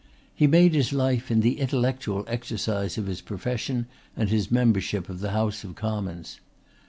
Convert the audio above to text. He made his life in the intellectual exercise of his profession and his membership of the House of Commons.